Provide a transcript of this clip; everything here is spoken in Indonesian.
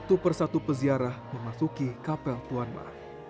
satu persatu peziarah memasuki kapel tuan ma